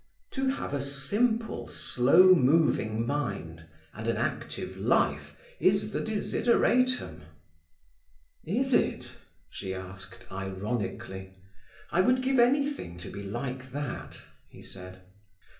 "To have a simple, slow moving mind and an active life is the desideratum." "Is it?" she asked ironically. "I would give anything to be like that," he said.